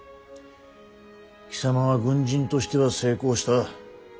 貴様は軍人としては成功した。